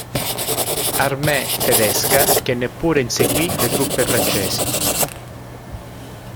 Armee" tedesca, che neppure inseguì le truppe francesi.